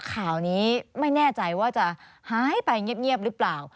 ข่าวนี้ไม่แน่ใจว่าจะหายไปเงียบหรือเปล่า